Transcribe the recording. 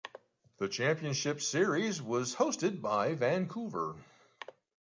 The championship series was hosted by Vancouver.